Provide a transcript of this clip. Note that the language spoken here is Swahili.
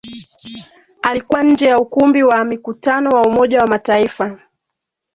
Alikuwa nje ya Ukumbi wa mikutano wa Umoja wa Mataifa